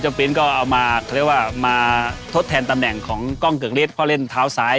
แล้วก็พูดไปให้ปริ้นท์ก็เอามามาโทษแทนตำแหน่งของกล้องเกยือกเรชข้อเล่นเท้าซ้าย